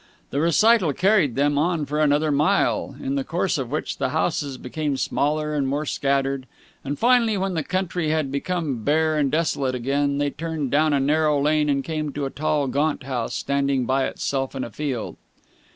The recital carried them on for another mile, in the course of which the houses became smaller and more scattered, and finally, when the country had become bare and desolate again, they turned down a narrow lane and came to a tall, gaunt house standing by itself in a field.